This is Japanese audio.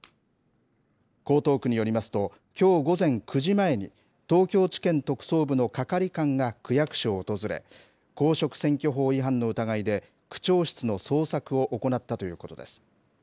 江東区によりますと、きょう午前９時前に、東京地検特捜部の係官が区役所を訪れ、公職選挙法違反の疑いで区長室の捜索を行ったということです。